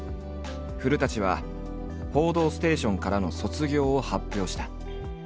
古は「報道ステーション」からの卒業を発表した。